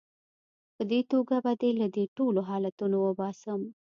په دې توګه به دې له دې ټولو حالتونو وباسم.